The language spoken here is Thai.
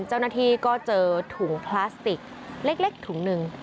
เจ้าหน้าที่ก็เจอถุงพลาสติกเล็กถุงหนึ่ง